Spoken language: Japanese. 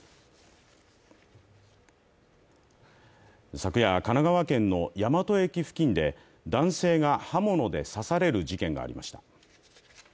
昨夜、神奈川県の大和駅付近で男性が刃物で刺される事件がありました。